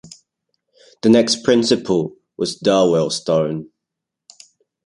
The next principal was Darwell Stone.